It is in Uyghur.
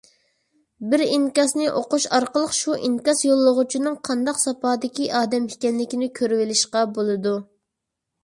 بىر ئىنكاسنى ئوقۇش ئارقىلىق شۇ ئىنكاس يوللىغۇچىنىڭ قانداق ساپادىكى ئادەم ئىكەنلىكىنى كۆرۈۋېلىشقا بولىدۇ.